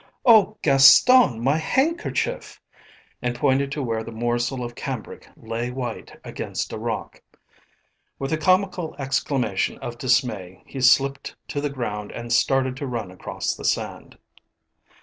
"Oh, Gaston, my handkerchief!" and pointed to where the morsel of cambric lay white against a rock. With a comical exclamation of dismay he slipped to the ground and started to run across the sand.